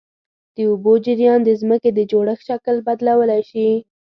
د اوبو جریان د ځمکې د جوړښت شکل بدلولی شي.